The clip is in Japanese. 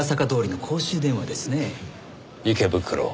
池袋。